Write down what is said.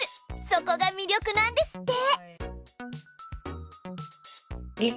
そこがみりょくなんですって！